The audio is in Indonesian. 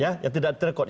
ya yang tidak terekam